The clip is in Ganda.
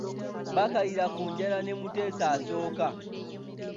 Baakaliira ku njala ne Mutesa I.